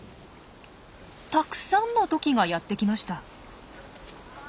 たくさんのトキがやって来ました。